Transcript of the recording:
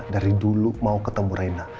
dari dulu mau ketemu raina